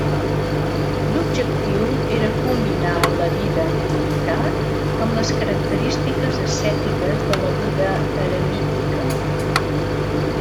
L'objectiu era combinar la via en comunitat amb les característiques ascètiques de la vida eremítica.